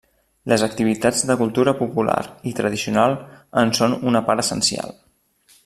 Les activitats de cultura popular i tradicional en són una part essencial.